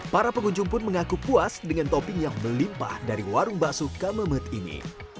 para pengunjung pun mengaku puas dengan topping yang melimpah dari warung bakso kamemet ini